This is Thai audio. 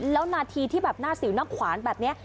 แล้วนาทีที่แบบหน้าสิวหน้าขวานแบบนี้